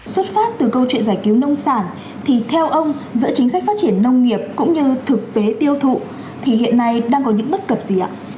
xuất phát từ câu chuyện giải cứu nông sản thì theo ông giữa chính sách phát triển nông nghiệp cũng như thực tế tiêu thụ thì hiện nay đang có những bất cập gì ạ